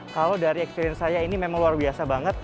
kalau dari experience saya ini memang luar biasa banget